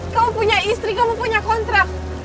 kamu punya istri kamu punya kontrak